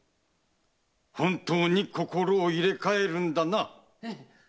本当に心を入れ替えるんだな？